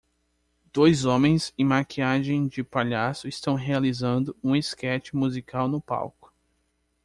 Dois homens em maquiagem de palhaço estão realizando um esquete musical no palco.